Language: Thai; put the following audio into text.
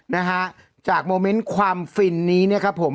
นะฮะจากโมเมนต์ความฟินนี้นะครับผม